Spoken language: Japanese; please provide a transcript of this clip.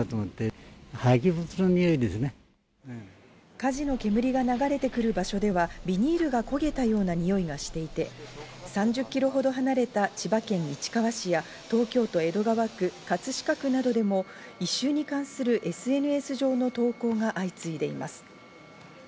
火事の煙が流れてくる場所ではビニールが焦げたようなにおいがしていて、３０キロほど離れた千葉県市川市や東京都江戸川区、葛飾区などでも異臭に関するＳＮＳ上の投稿が相次いでいます。